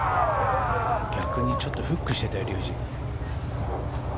逆にちょっとフックしてたよ竜二。